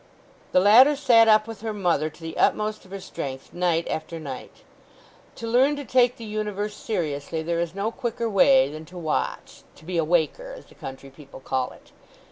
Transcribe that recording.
_" The latter sat up with her mother to the utmost of her strength night after night. To learn to take the universe seriously there is no quicker way than to watch—to be a "waker," as the country people call it.